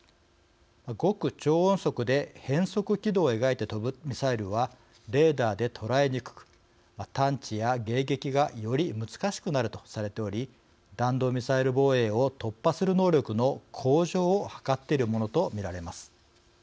極超音速で変則軌道を描いて飛ぶミサイルはレーダーで捉えにくく探知や迎撃がより難しくなるとされており弾道ミサイル防衛を突破する能力の向上を図っているものと見られます。